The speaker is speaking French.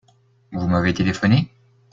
Vous m'avez téléphoné ?